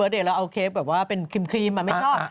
แล้วเอาเคฟแบบว่าเป็นครีมอ่ะไม่ชอบ